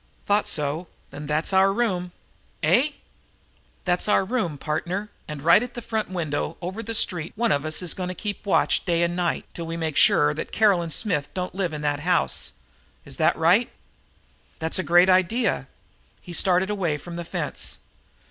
'" "I thought so. Then that's our room." "Eh?" "That's our room, partner, and right at the front window over the street one of us is going to keep watch day and night, till we make sure that Caroline Smith don't live in that house. Is that right?" "That's a great idea!" He started away from the fence.